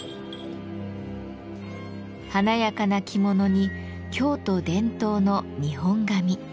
華やかな着物に京都伝統の日本髪。